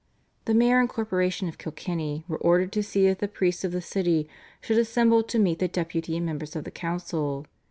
The mayor and corporation of Kilkenny were ordered to see that the priests of the city should assemble to meet the Deputy and members of the council.